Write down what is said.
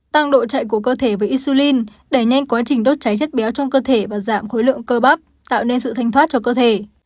tăng độ chạy của cơ thể với isulin đẩy nhanh quá trình đốt cháy chất béo trong cơ thể và giảm khối lượng cơ bắp tạo nên sự thanh thoát cho cơ thể